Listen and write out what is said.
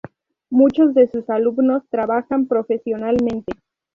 Muchos de sus alumnos trabajan profesionalmente.